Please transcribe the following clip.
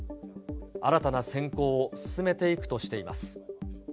新たな選考を進めていくとしています。